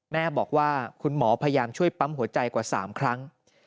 แม่บอกว่าคุณหมอพยายามช่วยปั๊มหัวใจกว่า๓ครั้ง